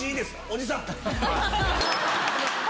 おじさん！